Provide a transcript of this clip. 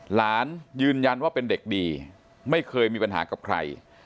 หลานยืนยันว่าเป็นเด็กดีไม่เคยมีปัญหากับใคร